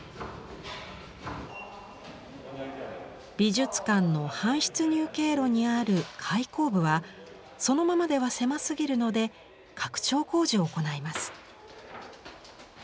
美術館の搬出入経路にある開口部はそのままでは狭すぎるので拡張工事を行います。